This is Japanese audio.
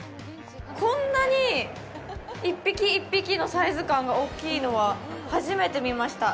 こんなに１匹１匹のサイズ感が大きいのは初めて見ました。